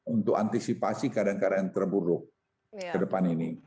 untuk antisipasi keadaan keadaan yang terburuk ke depan ini